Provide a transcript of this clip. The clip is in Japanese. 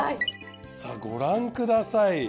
さぁご覧ください。